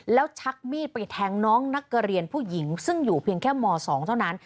แล้วชักมีดไปแทงน้องนักเรียนผู้หญิงซึ่งอยู่เพียงแค่ม๒เท่านั้น